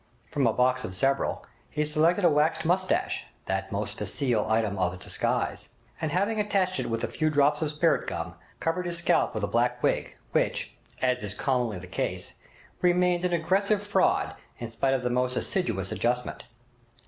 From a box of several, he selected a waxed moustache (that most facile article of disguise), and having attached it with a few drops of spirit gum, covered his scalp with a black wig, which, as is commonly the case, remained an aggressive fraud in spite of the most assiduous adjustment.